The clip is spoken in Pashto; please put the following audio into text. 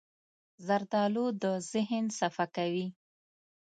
زردالو د ذهن صفا کوي.